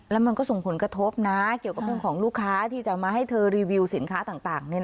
แล้วมันก็ส่งผลกระทบนะเกี่ยวกับเรื่องของลูกค้าที่จะมาให้เธอรีวิวสินค้าต่าง